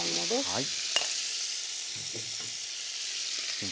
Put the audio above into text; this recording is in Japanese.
はい。